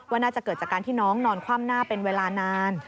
น่าจะเกิดจากการที่น้องนอนคว่ำหน้าเป็นเวลานาน